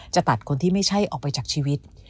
จะตัดคนที่ไม่ใช่ออกไปจากชีวิต